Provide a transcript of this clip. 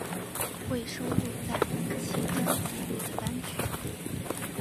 未收录在其专辑里的单曲